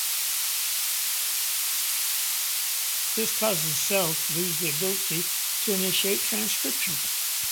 This causes the cell to lose the ability to initiate transcription.